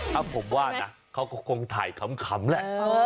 ถ้าผมว่านะเขาก็คงถ่ายขำแหละ